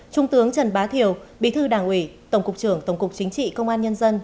trung tướng trần bá thiểu bí thư đảng ủy tổng cục trưởng tổng cục chính trị công an nhân dân